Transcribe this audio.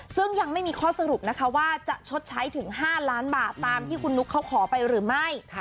ซึ่งยังไม่มีข้อสรุปนะคะว่าจะชดใช้ถึง๕ล้านบาทตามที่คุณนุ๊กเขาขอไปหรือไม่